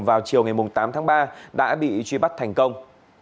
vào chiều ngày tám tháng ba đã bị truy bắt thành công